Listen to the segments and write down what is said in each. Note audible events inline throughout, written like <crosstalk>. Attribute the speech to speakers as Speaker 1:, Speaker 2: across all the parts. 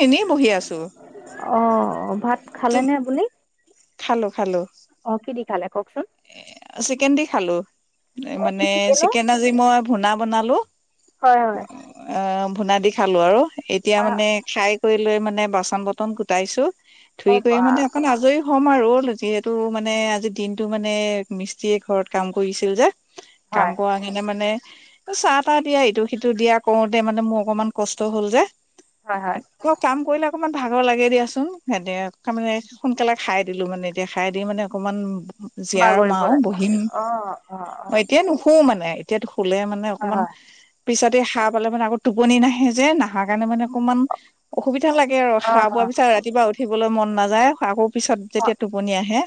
Speaker 1: এনেই বহি আছো
Speaker 2: অ', ভাত খালে
Speaker 1: তুম
Speaker 2: নে আপুনি?
Speaker 1: খালো, খালো।
Speaker 2: অ', কি দি, খালে কওঁকচোন।
Speaker 1: এ চিকেন দি খালো,
Speaker 2: অ' কি
Speaker 1: মানে
Speaker 2: কি কেনো
Speaker 1: চিকেন আজি মই ভূনা বনালো।
Speaker 2: হয়, হয়।
Speaker 1: অ', ভুনা দি খালো আৰু, এতিয়া
Speaker 2: হয়
Speaker 1: মানে খাই কৰি লৈ মানে, বাচন-বৰ্তন কুতাইছো, ধুই
Speaker 2: অ'
Speaker 1: কৰি
Speaker 2: বা
Speaker 1: মানে অকণ আজৰি হম আৰু, যিহেতু মানে, আজি দিনটো মানে মিস্ত্ৰী ঘৰত কাম কৰিছিল যে। কাম
Speaker 2: হয়
Speaker 1: কৰা, কিনে মানে চাহ-তাহ দিয়া, ইটো সিটো দিয়া কৰোতে মানে, মোৰ অকমান কষ্ট হ'ল যে।
Speaker 2: হয়, হয়।
Speaker 1: কৰ কাম কৰিলে অকমান ভাগৰ লাগে দিয়াচোন, সেনে সোনকালে খাই দিলো মানে, এতিয়া খাই দি মানে অকমান জীয়াম
Speaker 2: বাগৰিব
Speaker 1: আৰু
Speaker 2: লাগিছিলে
Speaker 1: বহিম।
Speaker 2: অ' অ' অ'
Speaker 1: এতিয়াই নোশু মানে, এতিয়াতো শুলে মানে
Speaker 2: হয়
Speaker 1: অকমান
Speaker 2: হয়
Speaker 1: পিছতে এই সাৰ পালে মানে আকৌ, টোপনি নাহে যে, নাহা কাৰণে, মানে অকণমান অসুবিধা লাগে আৰু,
Speaker 2: অ'
Speaker 1: সাৰ পোৱা
Speaker 2: অ'
Speaker 1: পিছত, ৰাতিপুৱা উঠিবলৈ মন নাযায়, আকৌ পিছত
Speaker 2: অ'
Speaker 1: যেতিয়া টোপনি আহে,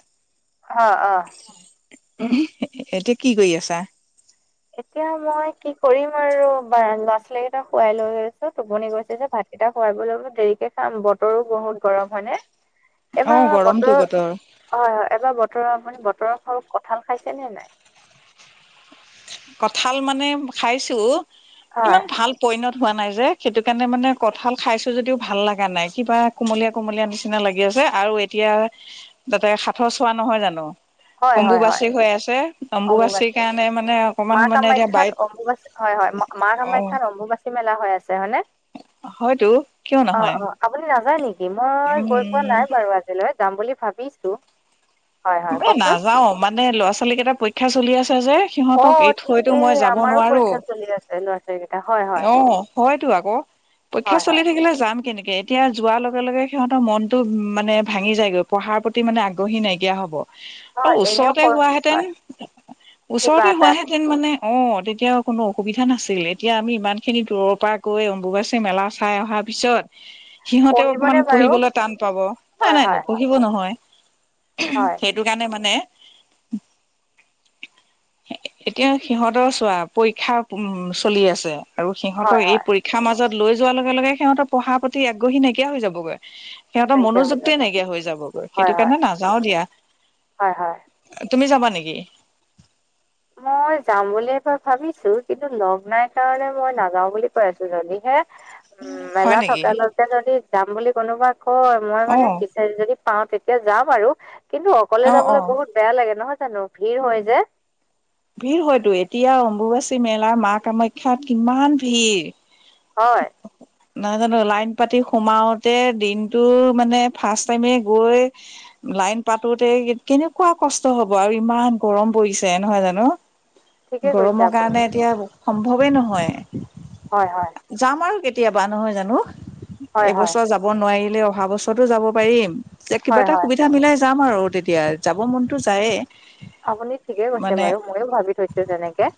Speaker 2: অ' অ'
Speaker 1: এতিয়া কি কৰি আছা?
Speaker 2: এতিয়া মই কি কৰিম আৰু, বা ল'ৰা ছোৱালী কেইটা সোৱাই লৈ লৈছো, টোপনি গৈছে যে ভাত এতিয়া খোৱাই বৈ ল'লোঁ দেৰিকে খাম, বতৰো বহুত গৰম হয়নে।
Speaker 1: অ
Speaker 2: এবাৰ
Speaker 1: গৰমটো
Speaker 2: বতৰৰ,
Speaker 1: বতৰ
Speaker 2: হয়, হয়, এবাৰ বতৰৰ, আপুনি বতৰৰ ফল কঁঠাল খাইছে নে নাই?
Speaker 1: কঁঠাল মানে খাইছো,
Speaker 2: হয়
Speaker 1: ইমান ভাল পৈণত হোৱা নাই যে, সেইটোকাৰণে, মানে কঁঠাল খাইছোঁ যদিও, ভাল লগা নাই, কিবা কুমলীয়া কুমলীয়া নিচিনা লাগি আছে, আৰু এতিয়া তাতে, সাতৰ চোৱা নহয় জানো।
Speaker 2: হয় হয় হয়
Speaker 1: অম্বুবাচী হৈ আছে, অম্বুবাচীৰ কাৰণে মানে অকমান মানে এতিয়া
Speaker 2: মা-কামাখ্যাত
Speaker 1: বাইত
Speaker 2: অম্বুবাচী হয়, হয়,
Speaker 1: অ
Speaker 2: মা-কামাখ্যাত অম্বুবাচী মেলা হৈ আছে, হয়নে?
Speaker 1: হয়তো, কিয়
Speaker 2: অ
Speaker 1: নহয়।
Speaker 2: অ আপুনি নাযায় নেকি, মই গৈ পোৱা
Speaker 1: উম
Speaker 2: নাই বাৰু আজিলৈ, যাম বুলি ভাবিছো। হয় হয়
Speaker 1: এ
Speaker 2: কওকচোন।
Speaker 1: নাযাও মানে, ল'ৰা-ছোৱালী কেইটাৰ পৰীক্ষা চলি আছে যে। সিহঁতক এৰি থৈতো মই যাব নোৱাৰোঁ।
Speaker 2: কোন ক্লাছত ল'ৰা-ছোৱালী কেইটা? হয় হয়।
Speaker 1: অ', হয়তো আকৌ, পৰীক্ষা
Speaker 2: হয়
Speaker 1: চলি
Speaker 2: হয়
Speaker 1: থাকিলে যাম কেনেকে। এতিয়া যোৱাৰ লগে-লগে সিহঁতৰ মনটো মানে, ভাঙি যায়গৈ। পঢ়াৰ প্ৰতি মানে আগ্ৰহী নাইকিয়া হ'ব।
Speaker 2: হয় এনেও
Speaker 1: ওচৰতে
Speaker 2: স-
Speaker 1: হোৱাহেঁতেন,
Speaker 2: হয় কিবা
Speaker 1: ওচৰতে
Speaker 2: এটাত
Speaker 1: হোৱাহেঁতেন তেন মানে অ', তেতিয়া কোনো অসুবিধা নাছিল। এতিয়া আমি ইমানখিনি দূৰৰ পৰা গৈ, অম্বুবাচী মেলা চাই অহাৰ পিছত সিহঁতেও
Speaker 2: পঢ়িবনে
Speaker 1: অকমান
Speaker 2: বাৰু?
Speaker 1: পঢ়িবলৈ টান পাব।
Speaker 2: হয়
Speaker 1: নাই-নাই
Speaker 2: হয় হয়
Speaker 1: নপঢ়িব নহয়, সেই
Speaker 2: হয়
Speaker 1: সেইটোকাৰণে মানে এতিয়া, সিহঁতৰ চোৱা, পৰীক্ষা উম। চলি আছে, আৰু
Speaker 2: হয়
Speaker 1: সিহঁতৰ এই
Speaker 2: হয়
Speaker 1: পৰীক্ষা মাজত লৈ যোৱাৰ লগে-লগে, সিহঁতৰ পঢ়াৰ প্ৰতি আগ্ৰহী নাইকিয়া হৈ যাবগৈ। সিহঁতৰ
Speaker 2: নাইকিয়া হৈ যাব
Speaker 1: মনোযোগটোৱে নাইকিয়া হৈ যাবগৈ,
Speaker 2: হয়
Speaker 1: সেইটো
Speaker 2: হয়
Speaker 1: কাৰণে নাযাও
Speaker 2: হয় হয়।
Speaker 1: দিয়া। তুমি যাবা নেকি?
Speaker 2: মই যাম বুলি ভাবিছো, কিন্তু লগ নাই কাৰণে, মই নাযাও বুলি কৈ আছো। যদিহে উম,
Speaker 1: হয়
Speaker 2: মেলা
Speaker 1: নেকি
Speaker 2: থকালৈকে যদি যাম বুলি কোনোবা কয়, মই
Speaker 1: অ
Speaker 2: মানে যদি পাওঁ তেতিয়া যাম আৰু, কিন্তু অকলে
Speaker 1: অ অ
Speaker 2: যাবলৈ বহুত বেয়া লাগে নহয় জানো? ভিৰ হয় যে।
Speaker 1: ভিৰ হয়তো, এতিয়া অম্বুবাচী মেলাৰ মা, কামাখ্যাত কিমান ভিৰ।
Speaker 2: হয়।
Speaker 1: নাজানো, লাইন পাতি সোমাওতে দিনটো, মানে ফাৰ্ষ্ট টাইমে গৈ লাইন পাতোতে কেনেকুৱা কষ্ট হ'ব। আৰু ইমান গৰম পৰিছে নহয় জানো?
Speaker 2: ঠিকে কৈছে
Speaker 1: গৰমৰ
Speaker 2: আপুনি
Speaker 1: কাৰণে, এতিয়া সম্ভৱেই নহয়।
Speaker 2: হয়, হয়।
Speaker 1: যাম আৰু কেতিয়াবা, নহয় জানো?
Speaker 2: হয় হয়
Speaker 1: এইবছৰ যাব যাব নোৱাৰিলে, অহা বছৰতো যাব পাৰিম।
Speaker 2: হয়
Speaker 1: কিবা এটা
Speaker 2: হয়
Speaker 1: সুবিধা মিলাই যাম আৰু তেতিয় তেতিয়া, যাব মনতো যায়েই।
Speaker 2: আপুনি ঠিকে কৈছে বাৰু, ময়ো ভাবি তেনেকে।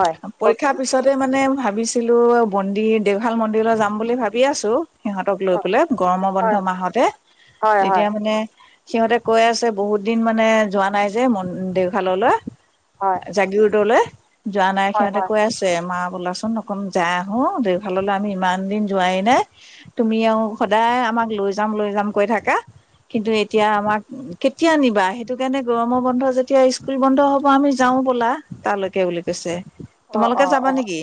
Speaker 2: হয়,
Speaker 1: পৰীক্ষাৰ
Speaker 2: কওঁকচোন?
Speaker 1: পিছতে মানে ভাবিছিলো, মন্দিৰ দেওশাল মন্দিৰলৈ যাম বুলি ভাবি আছো। সিহঁতক লৈ
Speaker 2: অ
Speaker 1: পেলাই, গৰমৰ বন্ধ
Speaker 2: হয়
Speaker 1: মাহতে,
Speaker 2: হয়
Speaker 1: তেতিয়া
Speaker 2: হয়
Speaker 1: মানে সিহঁতে কৈ আছে, বহুত দিন মানে যোৱা নাই যে, মন দেওশাললৈ।
Speaker 2: হয়।
Speaker 1: জাগিৰোডৰলৈ, যোৱা নাই
Speaker 2: হয়
Speaker 1: সিহঁতে
Speaker 2: হয়
Speaker 1: কৈ আছে। মা, ব'লাচোন অকণ যায় আহোঁ, দেওশাললৈ আমি ইমান দিন যোৱাই নাই। তুমি আৰু সদায় আমাক লৈ যাম, লৈ যাম, কৈ থাকা। কিন্তু এতিয়া আমাক কেতিয়া নিবা? সেইটো কাৰণে গৰমৰ বন্ধ যেতিয়া স্কুল বন্ধ হ'ব আমি যাও ব'লা, তালৈকে বুলি কৈছে।
Speaker 2: অ, অ,
Speaker 1: তোমালোকে
Speaker 2: অ,
Speaker 1: যাবা নেকি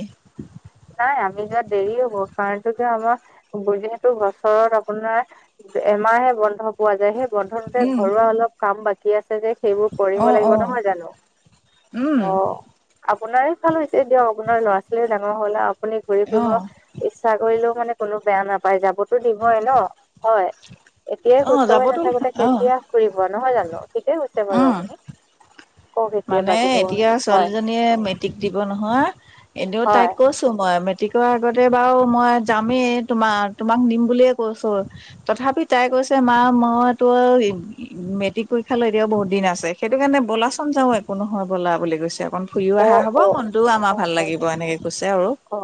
Speaker 2: নাই আমি, যোৱাত দেৰি হ'ব, কাৰণ কি আমাৰ যিহেতু বছৰত আপোনাৰ, এমাহে বন্ধ পোৱা যায়। সেই, বন্ধটোতে
Speaker 1: উম
Speaker 2: ঘৰুৱা অলপ কাম বাকী আছে যে। সেইবোৰ
Speaker 1: অ
Speaker 2: কৰিব লাগিব,
Speaker 1: অ
Speaker 2: নহয় জানো?
Speaker 1: উম
Speaker 2: অ, আপোনাৰ ভালে হৈছে দিয়ক, আপোনাৰ ল'ৰা-ছোৱালীয়ে ডাঙৰ হ'ল আৰু। আপুনি ঘূৰি
Speaker 1: অ
Speaker 2: ফুৰিব ইচ্ছা কৰিলেও মানে কোনো বেয়া নাপায়। যাবতো দিম ন, হয়? এতিয়াই
Speaker 1: অ
Speaker 2: সুস্থ হৈ
Speaker 1: যাবতো
Speaker 2: নাথাকোতে
Speaker 1: অ
Speaker 2: কেতিয়া ফুৰিব, নহয় জানো। ঠিকে কৈছে বাৰু
Speaker 1: উম
Speaker 2: আপুনি। কওক এতিয়া
Speaker 1: মানে
Speaker 2: বাকী খবৰ।
Speaker 1: এতিয়া
Speaker 2: হয়
Speaker 1: ছোৱালীজনীয়ে মেট্ৰিক দিব নহয়, এনেও
Speaker 2: হয়
Speaker 1: তাইক কৈছ মই মেট্ৰিকৰ আগতে বাৰু মই যামেই। তোমাৰ, তোমাক নিম বুলিয়ে কৈছো। তথাপি তাই কৈছে মা মইতো, মেট্ৰিক পৰীক্ষা লৈ এতিয়াও বহুত দিন আছে। সেইটো কাৰণে ব'লাচোন যাওঁ, একো নহয় ব'লা বুলি কৈছে আকৌ। ফুৰিও
Speaker 2: অ
Speaker 1: অহা হ'ব,
Speaker 2: অ
Speaker 1: মনটোও আমাৰ
Speaker 2: অ
Speaker 1: ভাল
Speaker 2: অ
Speaker 1: লাগিব। এনেকে কৈছে আৰু।
Speaker 2: অ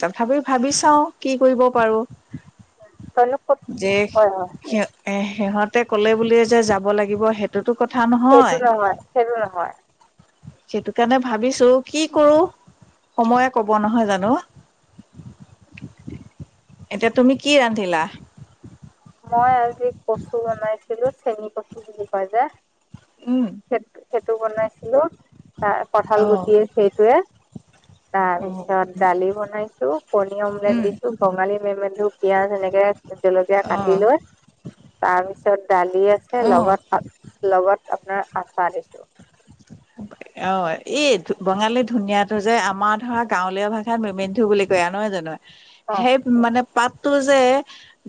Speaker 1: তথাপি ভাবি চাও, কি কৰিব পাৰো?
Speaker 2: তইনো ক'ত
Speaker 1: যে,
Speaker 2: হয় হয়
Speaker 1: সিহঁত এই, সিহঁতে ক'লে বুলি যে যাব লাগিব, সেইটোত কথা
Speaker 2: সেইটো
Speaker 1: নহয়
Speaker 2: সেইটো নহয়
Speaker 1: <inaudible> সেইটো কাৰণে ভাবিছো, কি কৰো সময়ে ক'ব নহয় জানো।
Speaker 2: <unintelligible>
Speaker 1: এতিয়া তুমি কি ৰান্ধিলা?
Speaker 2: মই আজি কচু বনাইছিলো, চেনি কচু বুলি কয় যে।
Speaker 1: উম
Speaker 2: সেই সেইটো, বনাইছিলো কঠাল
Speaker 1: অ
Speaker 2: গুটিৰ সেইটোয়ে। তাৰ পিছত দালি বনাইছো, কণী অমলেট
Speaker 1: উম
Speaker 2: দিছো, বঙালী মেমেধু পিয়াজ এনেকে জলকীয়া
Speaker 1: অ
Speaker 2: কাটি লৈ, তাৰপিছত দালি আছে
Speaker 1: অ
Speaker 2: লগত লগত আপনাৰ আচাৰ দিছো
Speaker 1: অ এই বঙালী ধুনীয়াতটো যে আমাৰ ধৰা গাঁৱলীয়া ভাষাত মেমেন্ধু বুলি কয় আ নহয় জানো
Speaker 2: অ
Speaker 1: সেই মানে পাতটো যে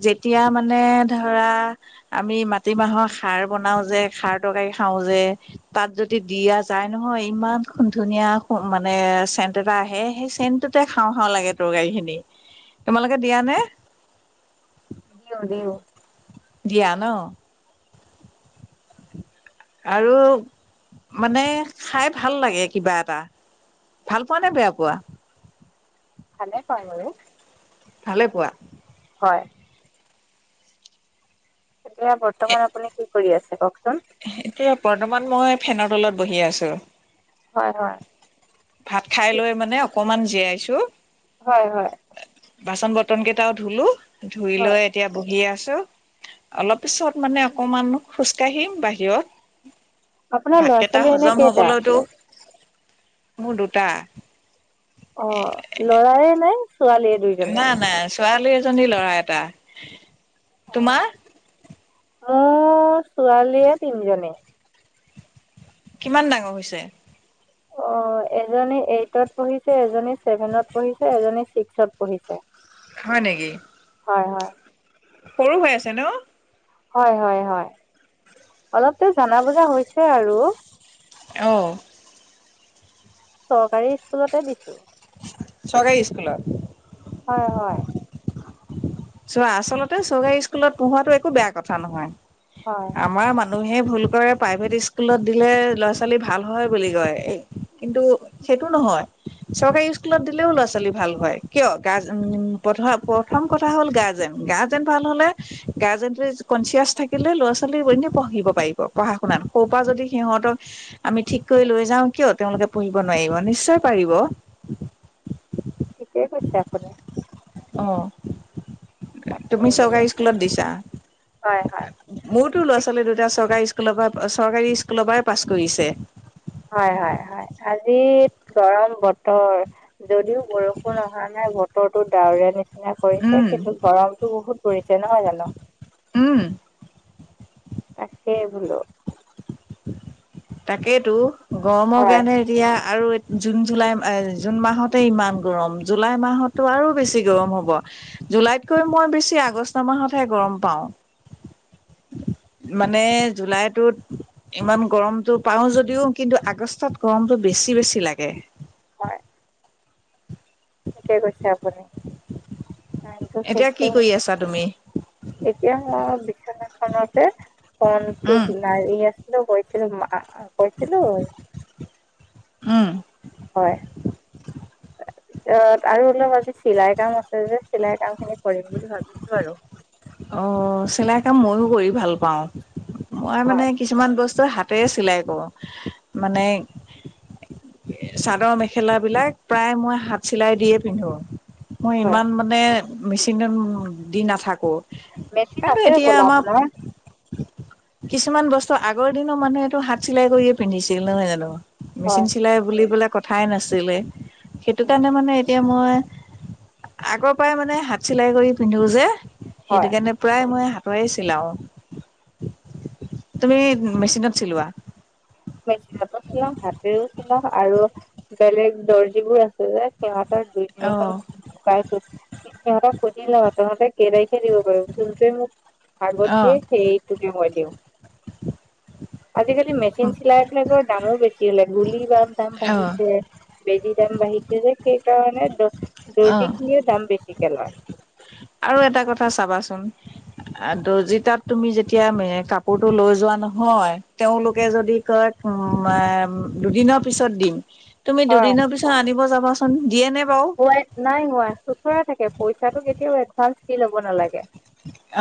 Speaker 1: যেতিয়া মানে ধৰা আমি মাটিমাহৰ খাৰ বনাও যে খাৰ তৰকাৰি খাওঁ যে তাত যদ দি দিয়া যায় নহয় ইমানু ধুনীয়া মানে চেণ্ট এটা আহে সেই চেণ্টটোতে খাওঁ খাওঁ লাগে টকাই খিনি তোমালোকে দিয়া নে
Speaker 2: দিও দিওঁ
Speaker 1: দিয়া ন আৰু মানে খাই ভাল লাগে কিবা এটা ভাল পোৱা নে বেয়া পোৱা
Speaker 2: ভালে পাও বাৰু
Speaker 1: ভালে পোৱা
Speaker 2: হয় এতিয়া বৰ্তমান আপুনি কি কৰি আছে কওকচোন
Speaker 1: হে এতিয়া বৰ্তমান মই ফেনৰ তলত বহি আছো
Speaker 2: হয় হয়
Speaker 1: ভাত খাই লৈ মানে অকমান জীয়াইছো
Speaker 2: হয় হয়
Speaker 1: বাচন বৰ্তন কেইটাও ধুলো ধুই
Speaker 2: হয়
Speaker 1: লৈ এতিয়া বহি আছো অলপ পিছত মানে অকমান খোজ কাঢ়িম বাহিৰত
Speaker 2: আপোনাৰ
Speaker 1: ভাত
Speaker 2: ল'ৰা
Speaker 1: কেইটা
Speaker 2: ছোৱালী এনে
Speaker 1: হজম
Speaker 2: কেইটা
Speaker 1: হবলৈতো মোৰ দুটা
Speaker 2: অ লৰাৰে নে ছোৱালী
Speaker 1: না নাই ছোৱালী এজনী ল'ৰা এটা তোমা
Speaker 2: মো ছোৱালীয়ে তিনজনী
Speaker 1: কিমান ডাঙৰ হৈছে
Speaker 2: অ এজনী এইটত পঢ়িছে এজনী ছেভেনত পঢ়িছে এজনী ছিক্সত পঢ়িছে
Speaker 1: হয় নেকি
Speaker 2: হয় হয়
Speaker 1: সৰু হৈ আছে ন
Speaker 2: হয় হয় হয় অলপটো জানা বুজা হৈছে আৰু
Speaker 1: অ
Speaker 2: চৰকাৰী স্কুলতে দিছো
Speaker 1: চকাই স্কুলত
Speaker 2: হয় হয়
Speaker 1: চোৱা আচলতে চকাই স্কুলত পঢ়ুৱাটো একো বেয়া কথা নহয়
Speaker 2: হয়
Speaker 1: আমাৰ মানুহে ভুল কৰে প্ৰাইভেট স্কুলত দিলে ল'ৰা ছোৱালী ভাল হয় বুলি কয় কিন্তু সেইটো নহয় চৰকাৰী স্কুলত দিলেও ল'ৰা ছোৱালী ভাল হয় কিয় গ <unintelligible> প্ৰথম কথা থা হ'ল গাৰ্জেন গাৰ্জেন ভাল হলে গাৰ্জেনটোৱে কনচিয়াছ থাকিলে ল'ৰা ছোৱালী এনে পঢ়িব পাৰিব পঢ়া শুনাত হও পা যদি সিহঁতক আমি ঠিককৈ লৈ যাও কিয় তেওঁলোকে পঢ়িব নোৱাৰিব নিশ্চয় পাৰিব
Speaker 2: ঠিকে কৈছে আপুনি
Speaker 1: অ
Speaker 2: তাকে
Speaker 1: তুমি
Speaker 2: বোলো
Speaker 1: চৰকাই স্কুলত দিছা
Speaker 2: হয় হয়
Speaker 1: আ মোৰতো ল'ৰা ছোৱালী দুটা চৰকাই স্কুলৰ পা চৰকাৰী স্কুলৰ পৰাই পাছ কৰিছে
Speaker 2: হয়, হয়, হয়। আজি গৰম বতৰৰ যদিও বৰষুণ অহা নাই বতৰতো ডাৱৰিয়াৰ নিচিনা খেনে কৰি,
Speaker 1: উম
Speaker 2: কিন্তু গৰমতটো বহুত পৰিছে নহয় জানোঁ।
Speaker 1: উম
Speaker 2: তাকে বোলোঁ।
Speaker 1: তাকেইতো গৰমৰ
Speaker 2: হয়
Speaker 1: কাৰনে এতিয়া আৰু জুন, জুলাই, জুন মাহতে ইমান গৰম জুলাই মাহতো আৰু বেছি গৰম হ'ব। জুলাইতকৈ মই বেছি আগষ্ট মাহতহে গৰম পাওঁ। মানে জুলাইটোত ইমান গৰমতটো পাওঁ যদিওঁ। কিন্তু, আগষ্টত গৰমতটো বেছি বেছি লাগে।
Speaker 2: হয়। ঠিকে কৈছে আপুনি তাৰপিছত
Speaker 1: এতিয়া কি
Speaker 2: শেষও।
Speaker 1: কৰি আছা তুমি
Speaker 2: এতিয়া মই বিচনাখনতে কনটো
Speaker 1: উম
Speaker 2: লাৰি আছোঁ। গৈছিলোঁ মা কৈছিলোঁ
Speaker 1: উম
Speaker 2: হয়। তাৰপিছত আৰু অলপ আজি চিলাইৰ কাম আছে যে চিলাই কাম খিনি কৰিম বুলি ভাবিছোঁ আৰু
Speaker 1: অ' চিলাইৰ কাম মইয়ো কৰি ভাল পাওঁ। মই মানে
Speaker 2: হয়
Speaker 1: কিছুমান বস্তু হাতেৰে চিলাই কৰোঁ, মানে চাদৰ মেখেলা বিলাক প্ৰায় মই হাত চিলাই দিয়েই পিন্ধো। মই
Speaker 2: হয়
Speaker 1: ইমান মানে মেচিনত দি নাথাকোঁ।
Speaker 2: মেচিন
Speaker 1: কাইলৈ
Speaker 2: আছে
Speaker 1: এতিয়া
Speaker 2: বোলা
Speaker 1: আমাৰ
Speaker 2: আপোনাৰ
Speaker 1: কিছুমান বস্তু আগৰ দিনৰ মানুহেটো হাত চিলাই কৰিয়ে পিন্ধিছিল নহয় জানোঁ। মেচিন
Speaker 2: হয়
Speaker 1: চিলাই বুলি পেলাই কথাই নাছিলে। সেইটো
Speaker 2: হয়
Speaker 1: কাৰণে মানে এতিয়া, মই আগৰ পৰাই মানে হাত চিলাই কৰি পিন্ধো যে
Speaker 2: হয়
Speaker 1: সেইটো কাৰণে প্ৰায় মই হাতৰে চিলাওঁ। তুমি মেচিনত চিলোৱা?
Speaker 2: মেচিনতো চিলাওঁ, হাতেৰেও চিলাওঁ আৰু বেলেগ দৰ্জিবোৰ আছে যে সিহঁতৰ দুই
Speaker 1: অ
Speaker 2: তিনি খন ধুকাই গৈছে। সিহঁতক সুধিলে হ'ল, তহঁতে কেইতাৰিখে দিব পাৰিবি যোনটোৱে মোক আগত
Speaker 1: অ
Speaker 2: দিয়ে। সেই টোকে মই দিওঁ। আজিকালি মেচিন চিলাই বিলাকৰ দামো বেছি হ'লে, গুলীৰ দাম
Speaker 1: অ
Speaker 2: বাঢ়িছে। বেজি দাম বাঢ়িছে, যে সেইকাৰণে দ
Speaker 1: অ
Speaker 2: দৰ্জি খিনিও দাম বেছিকে লয়।
Speaker 1: আৰু এটা কথা চাবাচোন। আহ দৰ্জি তাত তুমি যেতিয়া কাপোৰটো লৈ যোৱা নহয়। তেওঁলোকে যদি কয় উম, এ দুদিনৰ পিছত দিম। তুমি
Speaker 2: হয়
Speaker 1: দুদিনৰ পিছত আনিব যাবাচোন দিয়ে নে বাৰু?
Speaker 2: নাই নোৱাৰে চোচৰা থাকে, পইচাটো কেতিয়াও এডভান্স দি ল'ব নালাগে।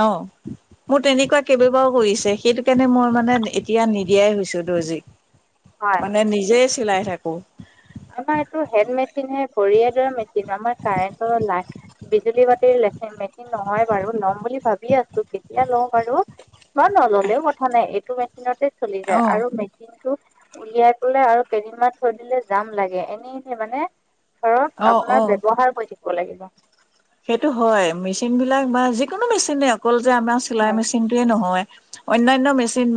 Speaker 1: অহ' মোৰ তেনেকুৱা কেইবাৰো কৰিছে। সেইটো কাৰণে মই মানে নিদিয়াই হৈছো দৰ্জিক।
Speaker 2: হয়
Speaker 1: মানে নিজে চিলাই থাকোঁ।
Speaker 2: আমাৰ এইটো হেণ্ড মেচিন হে ভৰিয়ডৰা মেচিন আমাৰ কাৰেণ্টৰ লাইট বিজুলী বাতিৰ লেচিন মেচিন নহয় বাৰু। ল'ম বুলি ভাবি আছোঁ। কেতিয়া লওঁ বাৰু? বা নললেওঁ কথা নাই এইটো মেচ মেচিনতে চলি যায়
Speaker 1: অ
Speaker 2: আৰু মেচিন টো উলিয়াই পেলাই আৰু কেইদিনমান থৈ দিলে দজাম লাগে এনে এনে মানে
Speaker 1: অ
Speaker 2: ঘৰত
Speaker 1: অ
Speaker 2: আপোনাৰ ব্যৱহাৰ কৰি থাকিব লাগিব।
Speaker 1: সেইটো হয়। মেচিন বিলাক বা যিকোনো মেচিনে অকল যে আমাৰ চিলাই
Speaker 2: হয়
Speaker 1: মেচিনে যিয়ে নহয়, অন্যান্য মেচিন